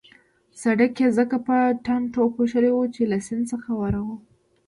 سړک يې ځکه په ټانټو پوښلی وو چې له سیند څخه ورهاخوا.